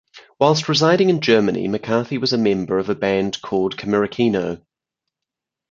Whilst residing in Germany, McCarthy was a member of a band called Kamerakino.